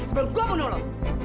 sebelum gua bunuh lu